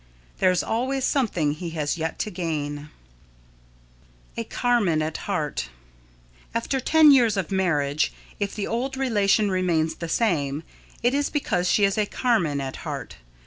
There is always something he has yet to gain. [Sidenote: A Carmen at Heart] After ten years of marriage, if the old relation remains the same, it is because she is a Carmen at heart.